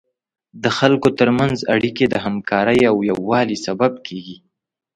د خلکو تر منځ اړیکې د همکارۍ او یووالي سبب کیږي.